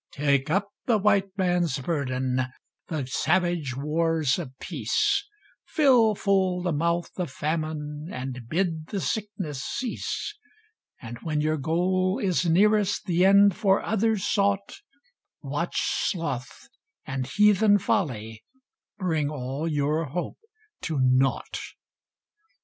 Take up the White Man's burden The savage wars of peace Fill full the mouth of Famine And bid the sickness cease; And when your goal is nearest The end for others sought, Watch Sloth and heathen Folly Bring all your hope to naught.